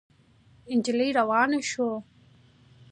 نجلۍ روانه شوه.